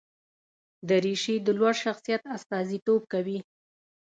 دریشي د لوړ شخصیت استازیتوب کوي.